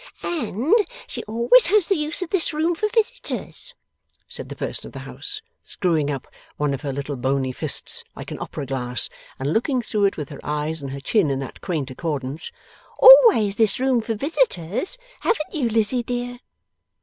'And she always has the use of this room for visitors,' said the person of the house, screwing up one of her little bony fists, like an opera glass, and looking through it, with her eyes and her chin in that quaint accordance. 'Always this room for visitors; haven't you, Lizzie dear?